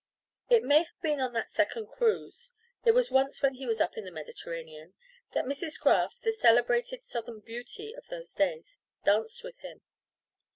It may have been on that second cruise it was once when he was up the Mediterranean, that Mrs. Graff, the celebrated Southern beauty of those days, danced with him.